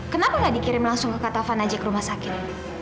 kenapa nggak dikirim langsung ke kak taufan aja ke rumah sakit